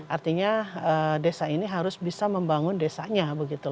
artinya desa ini harus bisa membangun desanya begitu